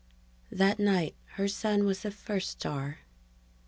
_ That night her son was the first star.